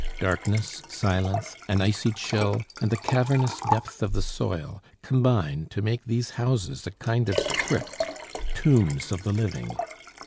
Darkness, silence, an icy chill, and the cavernous depth of the soil combine to make these houses a kind of crypt, tombs of the living.